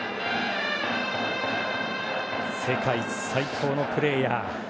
世界最高のプレーヤー。